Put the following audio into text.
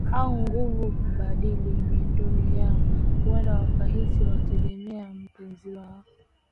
au nguvu kubadili mienendo yao Huenda wakahisi wanategemea mpenzi wao